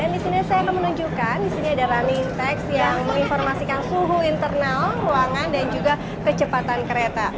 dan disini saya akan menunjukkan disini ada running text yang menginformasikan suhu internal ruangan dan juga kecepatan kereta